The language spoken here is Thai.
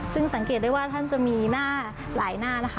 ซึ่งสังเกตได้ว่าท่านจะมีหน้าหลายหน้านะคะ